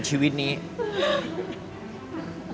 ขอบคุณครับ